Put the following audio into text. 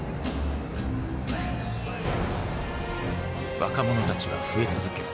若者たちは増え続け